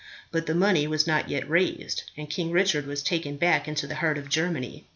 But the money was not yet raised, and King Richard was taken back into the heart of Germany.